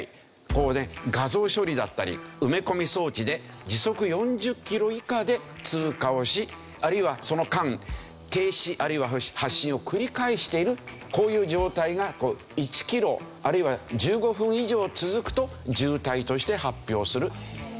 画像処理だったり埋め込み装置で時速４０キロ以下で通過をしあるいはその間停止あるいは発進を繰り返しているこういう状態が１キロあるいは１５分以上続くと渋滞として発表するというわけですよね。